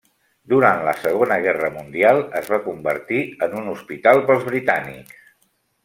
Durant la Segona Guerra Mundial, es va convertir en un hospital pels britànics.